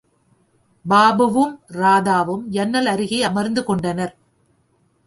பாபுவும், ராதாவும் ஜன்னல் அருகே அமர்ந்து கொண்டனர்.